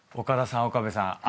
岡田さん岡部さん。